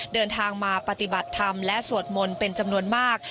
เดินทางมาปฏิบัติธรรมและสวดมนต์เป็นจำนวนมาก